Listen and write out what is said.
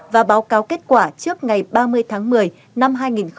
và báo cáo kết quả trước ngày ba mươi tháng một mươi năm hai nghìn hai mươi ba